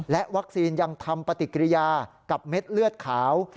และวัคซีนยังทำปฏิกิริยากับเม็ดเลือดขาว